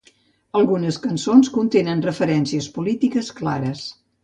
Algunes cançons contenen referències polítiques clares.